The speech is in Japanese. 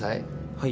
はい。